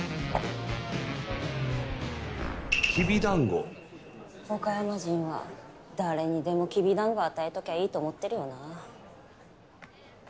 きびだんご？岡山人は誰にでもきびだんご与えときゃいいと思ってるよな